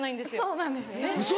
そうなんですよね。